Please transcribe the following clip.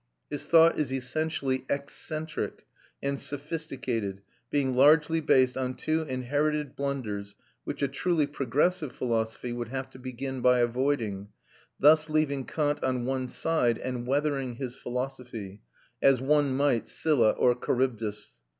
His thought is essentially excentric and sophisticated, being largely based on two inherited blunders, which a truly progressive philosophy would have to begin by avoiding, thus leaving Kant on one side, and weathering his philosophy, as one might Scylla or Charybdis.